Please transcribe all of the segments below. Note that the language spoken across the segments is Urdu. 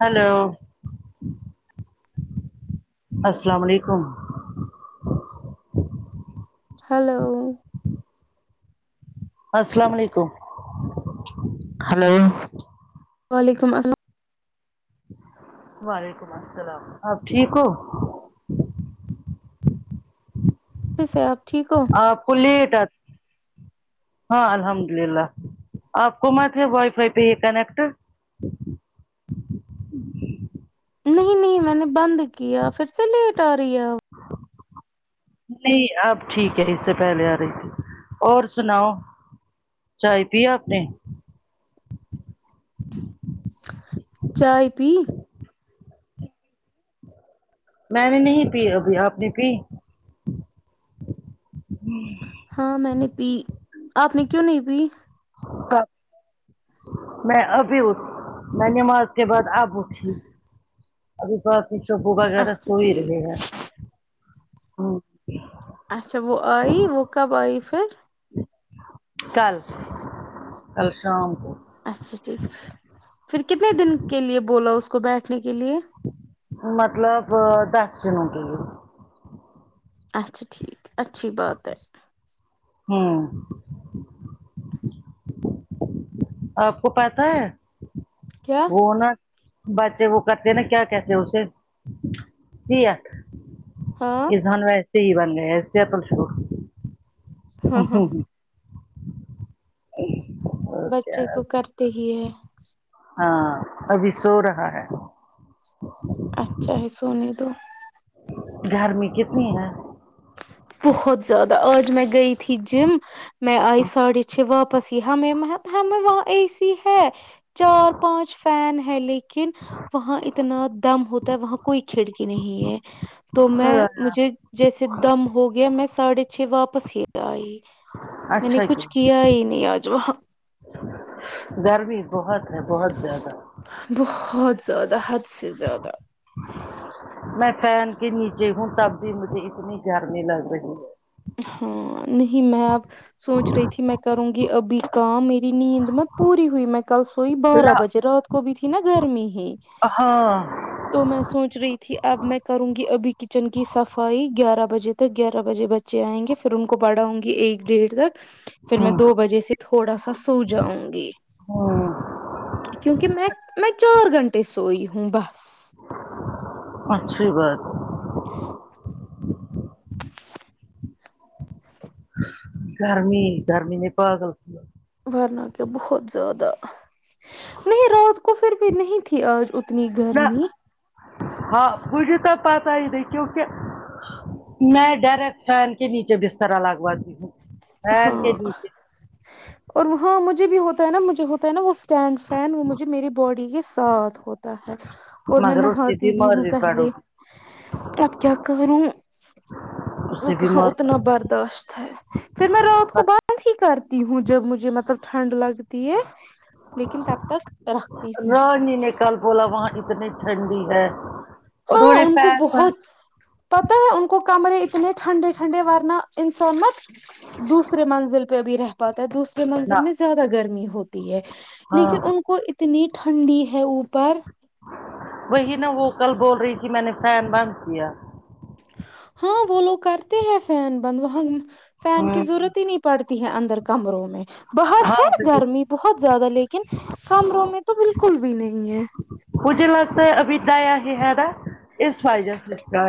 ہیلو السلام علیکم ہیلو السلام علیکم ہیلو وعلیکم السلام وعلیکم السلام آپ ٹھیک ہو [unintelligible] [unintelligible] ہاں الحمد اللہ آپ کو مت ہے وائی فائی پہ ہی کنیکٹ نہیں نہیں میں نے بند کیا پھر سے لیٹ آ رہی ہے نہیں اب ٹھیک ہے اس سے پہلے آ رہی تھی اور سناؤ چائے پی اپنے چائے پی میں نے نہیں پی ابھی آپ نے پی ہاں میں نے پی آپ نے کیوں نہیں پی میں ابھی اٹھ میں نماز کے بعد اب اٹھی ابھی بنی شبو وغیرہ اچھا سو ہی ٹھیک رہے ہیں ہمم اچھا وہ آئی وہ کب آئی پھر کل کل شام کو اچھا ٹھیک پھر کتنے دن کے لیے بولا اس کو بیٹھنے کے لیے مطلب دس دنوں کےلے اچھا ٹھیک اچھی بات ہے ھمم آپ کو پتا ہے کیا وہ نہ بچے وہ کرتے نا کیا کہتے اسے سیا ہاں ویسے ہی بن گئے ایسے اپن شروع ہاں ہاں [inaudible] بچے تو کرتے ہی ہے ہاں ابھی سو رہا ہے اچھا ہی سونے دو گھر میں کتنی ہے بہت زیادہ آج میں گئی تھی جم میں آئی ساڑھے چھ واپس یہ ہ ہمم ہمیں وہاں اے سی ہے چار پانچ فیان ہے لیکن وہاں اتنا دم ہوتا ہے وہاں کوئی کھڑکی نہیں ہے تو میں مجھے جیسے دم ہو گیا میں ساڑھے چھ واپس ہی آئی میں نے کچھ کیا ہی نہیں آج وہاں گرمی بہت ہے بہت زیادہ بہت زیادہ حد سے زیادہ میں فیان کے نیچے ہوں تب بھی مجھے اتنی گرمی لگ رہی ہے ہاں نہیں میں اب سوچ رہی تھی میں کروں گی ابھی کام میری نیند میں پوری ہوئی میں کل سوئی بارہ بجے ہے رات کو بھی تھی نا گرمی ہی ہاں تو میں سوچ رہی تھی اب میں کروں گی ابھی کچن کی صفائی گیارہ بجے تک گیارہ بجے بچ بچے آئیں گے پھر ان کو پڑھا ہوں گی ایک ڈیڑھ تک پھر میں ہ دو بجے سے تھوڑا سا سو جاؤں گی ہوں کیونکہ میں میں چار گھنٹے سوئی ہوں بس اچھی بات گرمی گرمی نے پاگل سے ورناہ کیا بہت زیادہ نہیں رات کو پھر بھی نہیں تھی آج اتنی نہ گرمی ہاں مجھے تو پتہ ہی نہیں کیونکہ میں ڈائریکٹ فین کے نیچے بسترا لگواتی ہوں فین کے ہاں نیچے اور وہاں مجھے بھی ہوتا ہے نا مجھے ہوتا ہے نا وہ اسٹینڈ فین وہ مجھے میری باڈی کے ساتھ ہو تا ہے اور میں مگر اس سے نہاتی بھی بیمار ہوں پڑو پہلے گی اب کیا کروں اس وہ سے کہاں بیمار اتنا پڑو برداشت ہے پھر میں رات کو بند ہی کرتی ہوں جب مجھے مطلب ٹھنڈ لگتی ہے لیکن تب تک رقھتی ہوں اور نہیں کل بولا وہاں اتنی ٹھنڈی ہے انہوں ہاں نے ان کو فین بند بہت پتہ ہے ان کو کمرے اتنے ٹھنڈے ٹھنڈے ورنہ انسان مت دوسرے منزل پہ بھی رہت پاتا حہ دوسرے نہ منزل میں زیادہ گرمی ہوتی ہے ہاں لیکن ان کو اتنی ٹھنڈی ہے اوپر وہی نہ وہ کل بول رہی کہ میں نے فین بند کیا ہاں وہ لوگ کرتے ہیں فین بند وہاں فین کی ہوں ضرورت ہی نہیں پڑتی ہے اندر کمروں میں باہر ہاں ہے گرمی بہت زیادہ لیکن کمروں میں تو بالکل بھی نہیں ہے پھے لگتا ہے ابتایا ہی ہےار ا اس فائی ج سا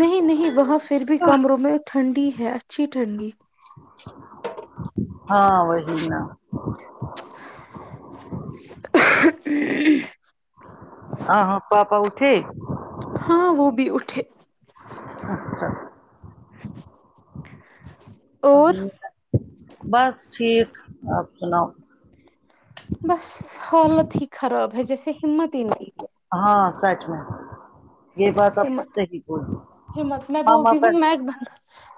نہیں نہیں وہاں پھر بھی کمروں میں ٹھنڈی ہے اچھی ٹھنڈی ہاں وہی نا آ ہاں پاپا اٹھے ہاں وہ بھی اٹھے اچھا اور بس ٹھیک آپ سناؤ بس حالت ہی خراب ہے جیسے ہمت ہی نہیں ہے ہاں سچ میں یہ بات ہے آپ نے ہمت صحیح بولی ہم ما پر ایک بند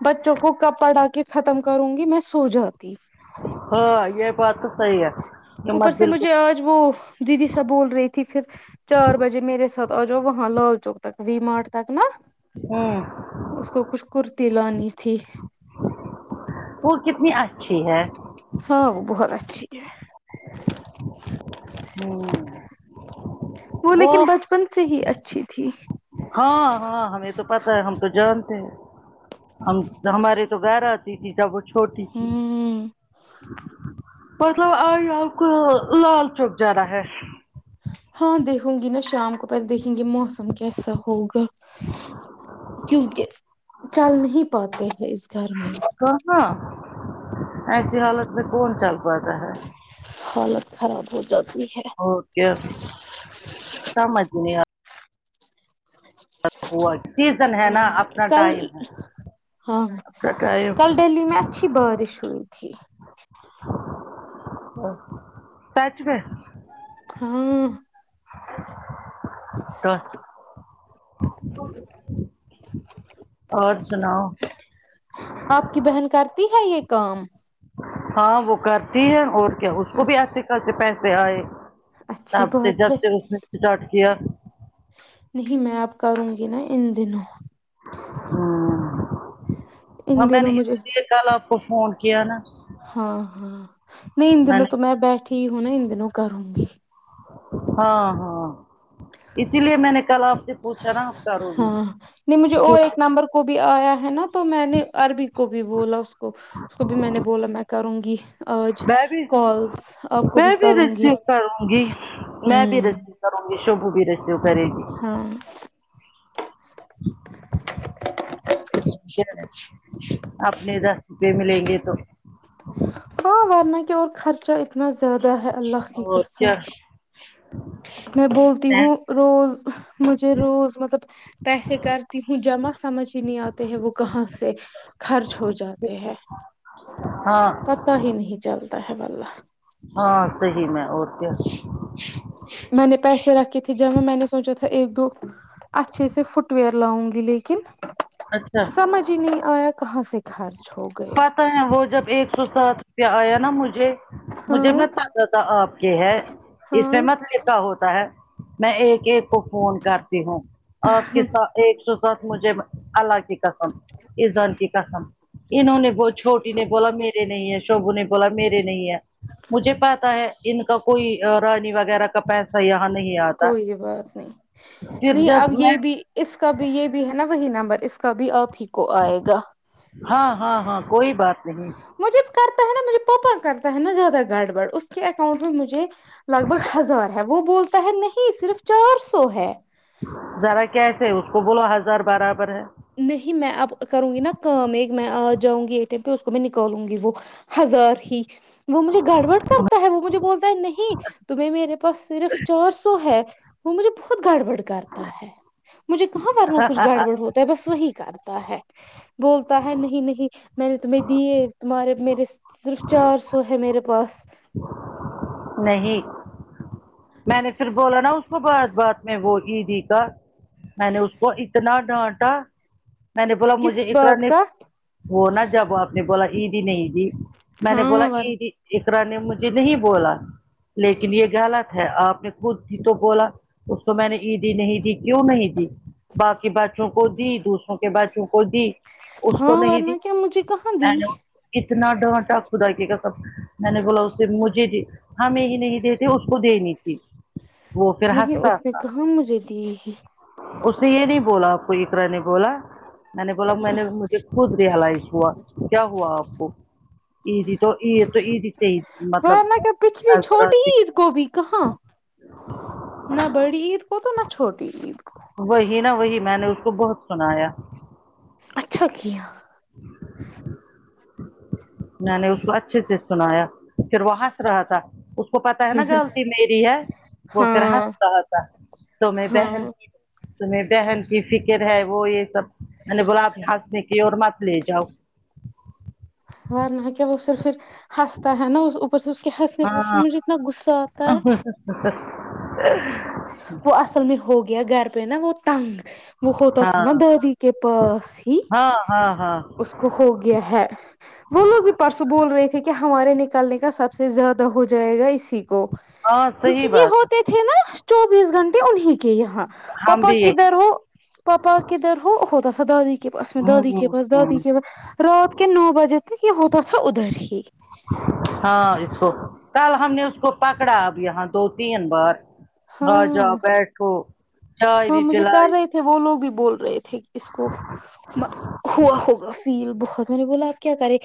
بچوں کو کب پڑا کے ختم کروں گی میں سو جاتی ہاں یہ بات تو صحیح ہے اوپر ہمت سے مجھے بالکل آج وہ دیدی سب بول رہی تھی پھر چار بجے میرے ساتھ آ جاؤ وہاں لال چوک تک وی مارٹ تک نا ہوں اس کو کچھ کرتی لانی تھی وہ کتنی اچھی ہے ہاں بہت اچھی ہے ہوں وہ لیکن بچپن سے ہی اچھی تھی ہاں ہاں ہمیں تو پتہ ہے ہم تو جانتے ہیں ہم ہمارے تو گھر آتی تھی جب وہ چھوٹی تھی ہوں مطلب آئی آپ کو لال چوک جانا ہے ہاں دیکوں گی نا شام کو پہلے دیکھیں گی موسم کیسا ہوگا کیونکہ چل نہیں پاتے ہیں اس گھر میں کہاں ایسی حالت میں کون چل پاتا ہے حالت خراب ہو جاتی ہے ہو کیا سمجھ نہیں آ ہوا سیزن ہے نا اپنا کل ٹائم ہے ہاں اپنا ٹائم کل دہلی میں اچھی بارش ھوی تھی سچ میں ہاں توس اور سناؤ آپ کی بہن کرتی ہے یہ کام ہاں وہ کرتی ہے اور کیا اس ہاں کو بھی اچھے خا سے پیسے آئے اچھی تب سے بات جب ہے سے اسٹارٹ کیا نہیں میں آپ کروں گی نا ان دنوں ہ ان ہاں میں نے دنوں مجھے اسی لیے کل آپ کو فون کیا نا ہاں ہاں نہیں ان دنوں تو میں بیٹھی ہوںناا اندنوں کروں گی ہاں ہاں اسی لیے میں نے کل آپ سے پوچھا نا آپ کرو گی ہاں نہیں مجھے جو اور ایک نمبر کو بھی آیا ہے نا تو میں نے عربی کو بھی بولا اس کو اس کو بھی میں نے بولا میں کروں گی آج میں بھی کالس آپ کو بھی میں کروں گی ریسیو کروں گی ہ میں بھی ریسیو کروں شوبو بھی رفیو کرے گ ہاں اپنے دس روپئے میں لیں گے تو ہاں ہاں مئ کیا اور خرچہ اتنا زیادہ ہے اللہ کی اور قسم کیا میں بولتی ہوں روز مجھے روز مطلب پیسے کرتی ہوں جمع سمجھ ہی نہیں آتے ہے وہ کہاں سے خرچ ہو جاتے ہیں ہاں پتا ہی نہیں چلتا ہے واللہ ہاں صحی میں اور کیا میں نے پیسے رکھے تھے جب میں نے سوچا تھا ایک دو اچھے سے فٹ وئیر لاؤںگ گی لیکن اچھا سمجھ ہی نہیں آیا کہاں سے کار چو پتا ہے وہ جب ایک سو ساٹھ روپیہ آیا نا مجھے مجھے ہاں میں آپ کے ہے اس ہاں میں متلی کا ہوتا ہے میں ایک ایک کو فون کرتی ہوں آپ کے ساتھ ایک سو ساتھ مجھے اللہ قسم اسزان کی قسم انہوں نے ب چھوٹی نے بولا میرے نہیں ہے شوبو نے بولا میرے نہیں ہے مجھے پتا ہے ان کا کوئی رانی وغیرہ کا پیسہ سا یہاں نہیں آتا کوئی بات نہیں پھر نہیں جب اب میں یہ بھی اس کا بھی یہ بھی ہے نا وہی نمبر اس کا بھی آپ ہی کو آئے گا ہاں ہاں ہاں کوئی بات نہیں مجھے کرتا ہے نا مجھے پاپا کرتا ہے نا زیادہ گڑبڑ اس کے اکاؤنٹ میں مجھے لگ بھگ ہزار ہے وہ بولتا ہے نہیں صرف چار سو ہے ذرا کیسے اس کو بولو ہزار برابر ہے نہیں میں اب کروں گی نا کام ایک میں آ جاؤں گی اے ٹی ئم پہ اس کو میں نکالوں گی وہ ہزار ہی وہ مجھے گڑبڑ کرتا ہے وہ مجھے بولتا ہے نہیں تمہیں میرے پاس صرف چار سو ہے وہ مجھے بہت گڑبڑ کرتا ہے مجھے کہاں ورنا کچھ گاڑبڑ ہوتا بس وہی کرتا ہے بولتا ہے نہیں نہیں میں نے تمہیں دیے تمہارے میرے صرف چار سو ہے میرے پاس نہیں میں نے پھر بولا نا اس کو بعد بعد میں وہ عیدی کا میں نے اس کو اتنا ڈانٹا میں نے بولا مجھے کس اقرا بات نہیں کا وہ نا جب آپ نے بولا عیدی نہی دی میں نے بولا ہاں ور عیدی اقرا نے مجھے نہیں بولا لیکن یہ غلط ہے آپ نے خود ہی تو بولا اس کو میں نے عیدی نہیں دی کیوں نہیں دی باقی بچوں کو دی دوسروں کے بچوں کو دی اس کو ہاں نہیں ورنہ دی کیا مجھے کہاں میں دی نے اتنا ڈانٹا خدا کی قسم میں نے بولا اس سے مجھے دی ہمیںی نہیں دیتے اس کو دینی تھی وہ پھر نہیں ہنستا اس نے تھا کہاں مجھے دی ہی اس نے یہ نہیں بولا کوئی اقرا نے بولا میں نے بولا میں نے مجھے خود رہیلیس ہوا کیا ہوا آپ کو عیدی تو عید تو عید ہی سے مطلب ورنہ کیا پچھلی چھوٹی عید کو بھی کہاں نہ بڑی عید کو تو نہ چھوٹی عید کو وہی نا وہی میں نے اس کو بہت سنایا اچھا کیا میں نے اس کو اچھے سے سنایا پھر وہ ہنس رہا تھا اس کو پتا ہے نا غلطی میری ہے وہ پھر ہاں ہنس رہ تھا تو میں بہن ہاں کی تمہیں بہن کی فکر ہے وہ یہ سب میں نے بلا ہنسنے کی اور مت لے جاؤ وارنا کیا وہر پھر ہنستا ہے نا اس اوپر سے اس کے ہنسنے پہ ہاں پھر مجھے اتنا غصہ آتا ہے وہ اصل میں ہو گیا گھر پہ نا وہ تنگ وہ ہوتا تھا نا ہاں دادی کے پاس ہی ہاں ہاں ہاں اس ہو گیا ہے وہ لوگ بھی پرسوں بول رہے تھے کہ ہمارے نکالنے کا سب سے زیادہ ہو جائے گا اسی کو ہاں کیونکہ صحیح یہ بات ہے ہوتے تھے نا چوبیس گھنٹے انہیں کے یہاں ہم پاپا بھی یہی کدھر وہ پاپا کدھر ہو دادی کے پاس میں ہوں دادی کے ہوں پاس دادی ہوں کے پاس رات کے نو بجے تک یہ ہوتا تھا ادھر ہی ہاں اس کو کل ہم نے اس کو پکڑا اب یہاں دو تین بار آجاؤ ہاں بھیٹو چائ ہاں بھی مجھے کر پلائی رہے وہ لوگ بھی بول رہے تھے اس کو ہوا ہوگا فیل بہت میں نے بلا کیا کرے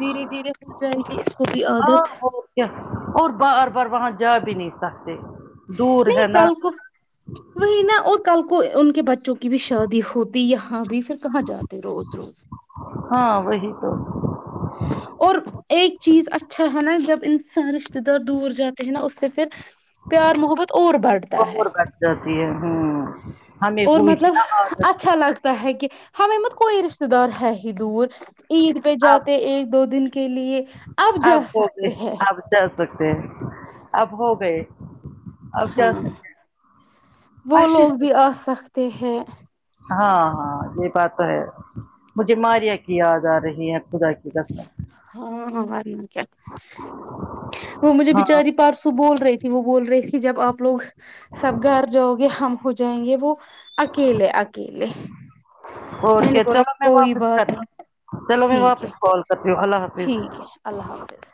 دھیرے دھیرے ہو جائیں گی اس کو بھی ہاں عادت اور اور بار بار وہاں جا بھی نہیں سکتے دور نہیں ہے نا کل کو وہی نا اور کل کو ان کے بچوں کی بھی شادی ہوتی یہاں بھی پھر کہاں جاتے روز روز ہاں وہی تو اور ایک چیز اچھا ہے نا جب انسان رشتے دار دور جاتے ہیں نا اس سے پھر پیار محبت اور بڑھتا ہے اور بچ جاتی ہے ہوں ہمیں اور ہوئی تھی مطلب نا عادت اچھا لگتا ہے کہ ہمیں مت کوئی رشتے دار ہے ہی دور عید پہ اب جاتے ایک دو دن کے لیے اب جا ہو گئے سکتے ہیں اب جا سکتے ہیں اب ہو گئے اب جا ہاں سکتے وہ ہیں اچھے لوگ سے بھی آ سکتے ہیں ہاں ہاں یہ بات ہے مجھے ماریا کی یاد آ رہی ہے خدا کی قسم ہاں ہاں ماریا کیا وہ مجھے ہاں بچاری پارسوم بول رہی تھی وہ بول رہے کہ جب آپ لوگ سب گھر جاؤ گے ہم ہو جائیں گے وہ اکیلے اکیلے اور میں نے کیا بولا چلو میں کوئی واپس بات نہیں کرتی چلو میں ٹھیک ہے واپس کال کرتی ہوں اللہ حافظ ٹھیک ہے اللہ حافظ